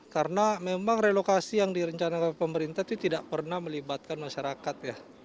karena memang relokasi yang direncana oleh pemerintah itu tidak pernah melibatkan masyarakat